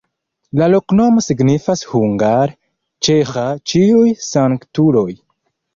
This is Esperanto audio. La loknomo signifas hungare: "ĉeĥa-ĉiuj-sanktuloj".